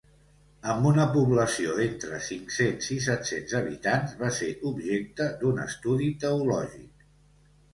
Amb una població d'entre cinc-cents i set-cents habitants, va ser objecte d'un estudi teològic.